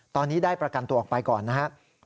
ตอนนี้ได้ประกันตัวออกไปก่อนนะครับ